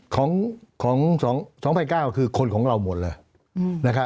ของ๒๙๐๐คือคนของเราหมดเลย